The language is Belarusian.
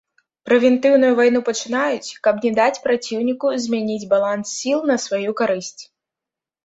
Прэвентыўную вайну пачынаюць, каб не даць праціўніку змяніць баланс сіл на сваю карысць.